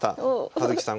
葉月さん